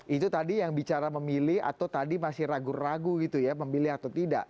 itu tadi yang bicara memilih atau tadi masih ragu ragu gitu ya memilih atau tidak